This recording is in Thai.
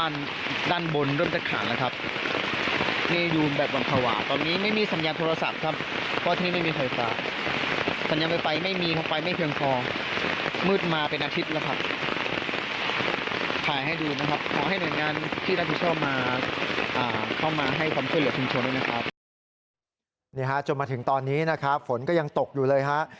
นี่ฮะจนมาถึงตอนนี้นะครับฝนก็ยังตกอยู่เลยฮะ